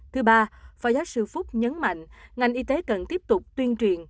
thứ ba phó giáo sư phúc nhấn mạnh ngành y tế cần tiếp tục tuyên truyền